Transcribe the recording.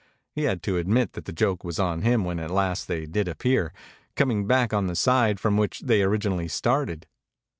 He had to admit that the joke was on him when at last they did appear coming back on the side from which they originally started.